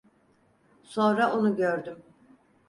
Sonra onu gördüm.